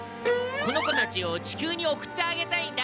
この子たちを地球に送ってあげたいんだ。